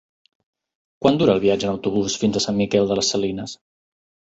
Quant dura el viatge en autobús fins a Sant Miquel de les Salines?